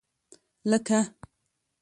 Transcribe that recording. لکه.